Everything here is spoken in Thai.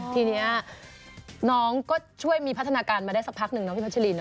ทีนี้น้องก็ช่วยมีพัฒนาการมาได้สักพักหนึ่งเนาะพี่พัชลินนะ